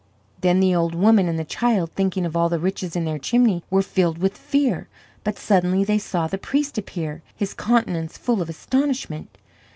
Then the old woman and the child thinking of all the riches in their chimney were filled with fear. But suddenly they saw the priest appear, his countenance full of astonishment.